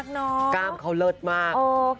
ตรงนั้นกล้ามเค้าเลิศมาก